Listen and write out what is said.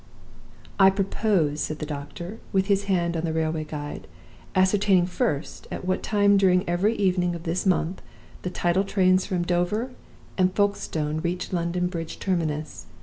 "'I propose,' said the doctor, with his hand on the railway guide, 'ascertaining first at what time during every evening of this month the tidal trains from Dover and Folkestone reach the London Bridge terminus.